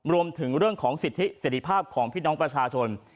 รวมถึงเรื่องของสิทธิเสร็จภาพของพี่น้องประชาชน